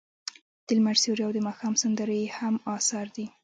د لمر سیوری او د ماښام سندرې یې هم اثار دي.